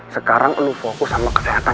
sekarang lo fokus sama kesehatan